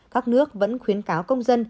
các nước vẫn khuyến cáo công dân